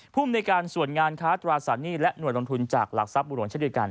ภูมิในการส่วนงานค้าตราสารหนี้และหน่วยลงทุนจากหลักทรัพย์บุหลวงเช่นเดียวกัน